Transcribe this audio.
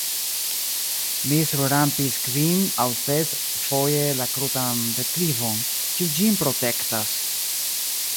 Mi surrampis kvin- aŭ ses-foje la krutan deklivon, kiu ĝin protektas.